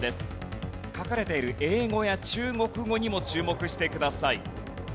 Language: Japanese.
書かれている英語や中国語にも注目してください。